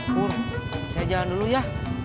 bu saya jalan dulu ya